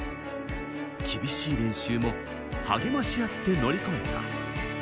厳しい練習も励まし合って乗り超えた。